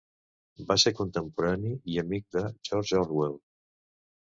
Va ser contemporani i amic de George Orwell.